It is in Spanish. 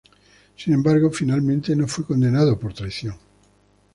Sin embargo, finalmente no fue condenado por traición.